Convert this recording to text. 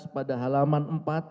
pada halaman empat